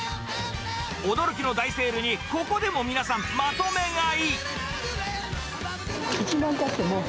驚きの大セールに、ここでも皆さん、まとめ買い。